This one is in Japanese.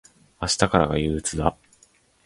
明日からが憂鬱だ。